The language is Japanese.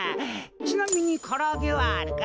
ちなみにからあげはあるか？